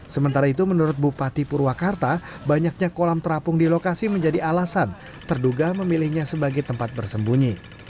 sementara itu menurut bupati purwakarta banyaknya kolam terapung di lokasi menjadi alasan terduga memilihnya sebagai tempat bersembunyi